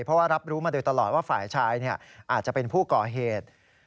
เพราะว่ารับรู้มาโดยตลอดว่าฝ่ายชายอาจจะเป็นผู้ก่อเหตุ